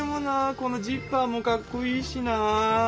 このジッパーもかっこいいしな。